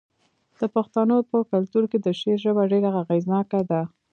د پښتنو په کلتور کې د شعر ژبه ډیره اغیزناکه ده.